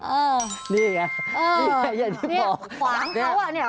เออนี่ไงนี่ไงอย่างที่บอกขวางเขาอ่ะเนี่ย